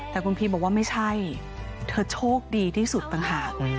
แต่คุณพีบอกว่าไม่ใช่เธอโชคดีที่สุดต่างหาก